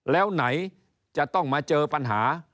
แล้วไหนจะต้องมาเจอปัญหา